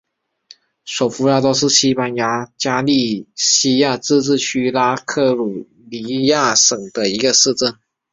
索夫拉多是西班牙加利西亚自治区拉科鲁尼亚省的一个市镇。